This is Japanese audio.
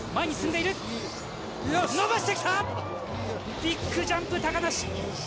ビッグジャンプ、高梨！